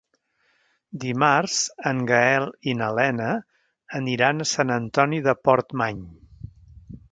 Dimarts en Gaël i na Lena aniran a Sant Antoni de Portmany.